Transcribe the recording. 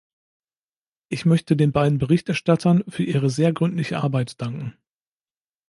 Ich möchte den beiden Berichterstattern für ihre sehr gründliche Arbeit danken.